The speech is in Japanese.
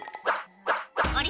「あれ？